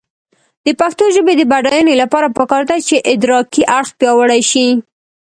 د پښتو ژبې د بډاینې لپاره پکار ده چې ادراکي اړخ پیاوړی شي.